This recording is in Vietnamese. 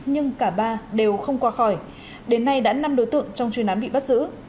nhưng cả ba đều không qua khỏi đến nay đã năm đối tượng trong chuyên án bị bắt giữ